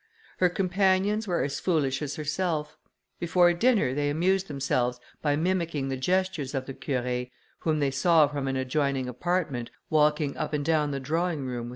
Her companions were as foolish as herself. Before dinner they amused themselves by mimicking the gestures of the Curé, whom they saw from an adjoining apartment, walking up and down the drawing room with M.